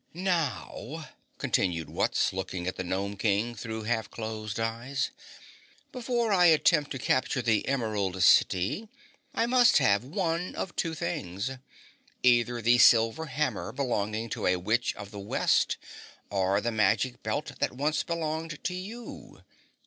"Now," continued Wutz, looking at the Gnome King through half closed eyes, "before I attempt to capture the Emerald City, I must have one of two things; either the silver hammer belonging to a witch of the West or the magic belt that once belonged to you.